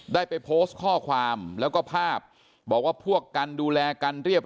ได้ไปโพสต์ข้อความแล้วก็ภาพบอกว่าพวกกันดูแลกันเรียบ